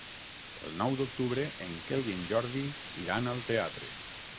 El nou d'octubre en Quel i en Jordi iran al teatre.